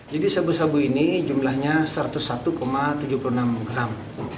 jadi sabu sabu ini jumlahnya satu ratus satu tujuh puluh enam gram